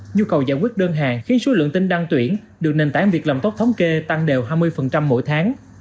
nhu cầu giải quyết đơn hàng khiến số lượng tin đăng tuyển được nền tảng việc làm tốt thống kê tăng đều hai mươi mỗi tháng